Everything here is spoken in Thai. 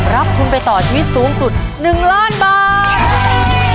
รับทุนไปต่อชีวิตสูงสุด๑ล้านบาท